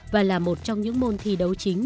và là một trong những môn thi đấu chính